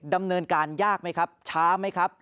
ดำเนินการยากไหมครับช้าไหมครับ